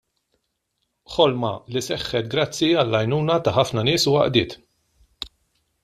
Ħolma li seħħet grazzi għall-għajnuna ta' ħafna nies u għaqdiet.